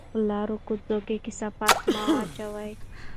په لارو کوڅو کې کثافات مه اچوئ.